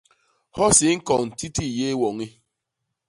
Hosi i ñkon titii yéé woñi.